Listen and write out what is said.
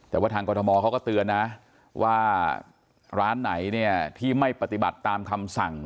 แต่ว่าทางกรทมเขาก็เตือนนะว่าร้านไหนเนี่ยที่ไม่ปฏิบัติตามคำสั่ง